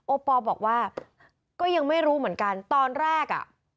ปอลบอกว่าก็ยังไม่รู้เหมือนกันตอนแรกอ่ะ